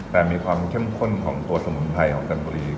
แต่มีความเข้มข้นของตัวสมุนไพรของจันทบุรี